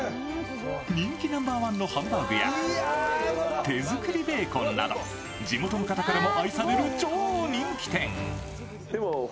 人気ナンバーワンのハンバーグや手作りベーコンなど地元の方からも愛される超人気店。